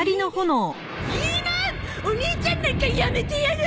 お兄ちゃんなんかやめてやる！